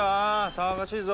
騒がしいぞ！